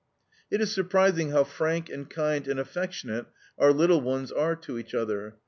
"It is surprising how frank and kind and affectionate our little ones are to each other.